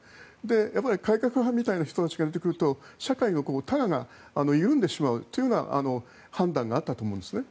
やっぱり改革派みたいな人たちが出てくると社会のたがが緩んでしまうというような判断があったんだと思います。